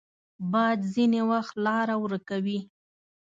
باد ځینې وخت لاره ورکوي